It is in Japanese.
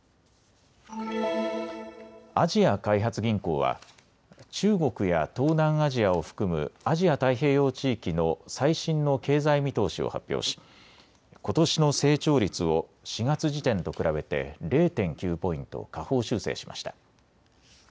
アジア開発銀行は中国や東南アジアを含むアジア太平洋地域の最新の経済見通しを発表し、ことしの成長率を４月時点と比べて０．９ポイント下方修正しました。